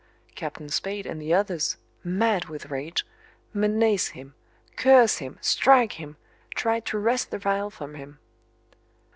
Captain Spade and the others, mad with rage, menace him curse him strike him try to wrest the phial from him.